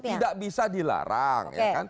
tidak bisa dilarang